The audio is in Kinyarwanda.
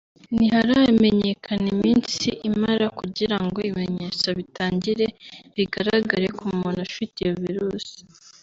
ntiharamenyekana iminsi imara kugira ngo ibimenyetso bitangire bigararagare ku muntu ufite iyo virus